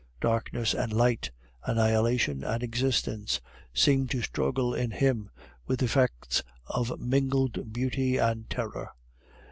Darkness and light, annihilation and existence, seemed to struggle in him, with effects of mingled beauty and terror.